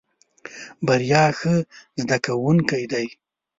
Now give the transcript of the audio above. بريا ښه زده کوونکی دی.